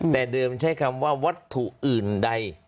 แต่เดิมใช้คำว่าวัตถุอื่นใด